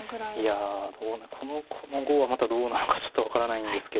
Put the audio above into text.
いやこの碁はまたどうなのかちょっと分からないんですけど。